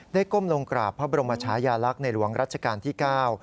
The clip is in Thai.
ก้มลงกราบพระบรมชายาลักษณ์ในหลวงรัชกาลที่๙